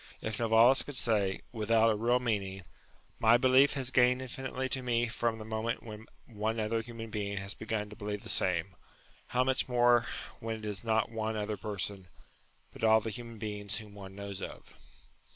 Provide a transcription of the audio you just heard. If Novalis could say, not without a real meaning, " My belief has gained infinitely to me from the moment when one other human being has begun to believe the same," how much more when it is not one other person, but all the human beings whom one knows of.